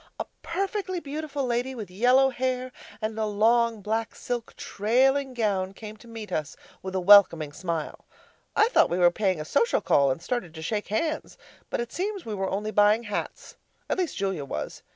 A perfectly beautiful lady with yellow hair and a long black silk trailing gown came to meet us with a welcoming smile. I thought we were paying a social call, and started to shake hands, but it seems we were only buying hats at least Julia was.